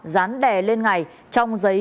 dán đè lên ngày trong giấy